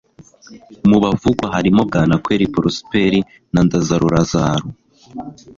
mu bavugwa harimo bwanakweli porosiperi na ndazaro lazaro